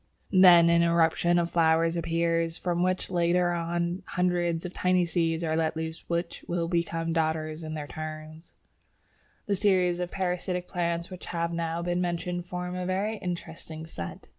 Then an eruption of flowers appears, from which later on hundreds of tiny seeds are let loose which will become Dodders in their turn. The series of parasitic plants which have now been mentioned form a very interesting set.